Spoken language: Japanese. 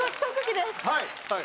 はい。